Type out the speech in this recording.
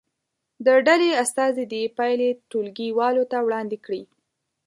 د ډلې استازي دې پایلې ټولګي والو ته وړاندې کړي.